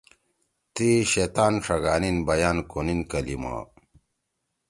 تی شیطان ݜگانیِن بیان کونیِن کلیِما